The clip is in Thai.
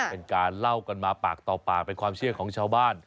เป็นการเล่ากันมาปากต่อปากเป็นความเชื่อของชาวบ้าน